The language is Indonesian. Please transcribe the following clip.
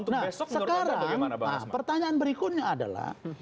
nah sekarang pertanyaan berikutnya adalah